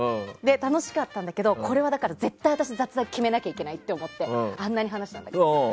楽しかったんだけどこれは絶対に決めなきゃいけないと思ってあんなに話したんだからって。